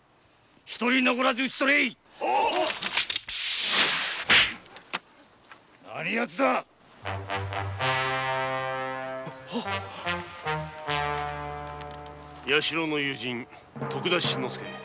一人残らず討ち取れ何やつだ弥四郎の友人徳田新之助。